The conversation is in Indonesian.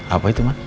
apa itu ma